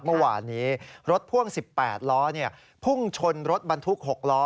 เมื่อวานนี้รถพ่วง๑๘ล้อพุ่งชนรถบรรทุก๖ล้อ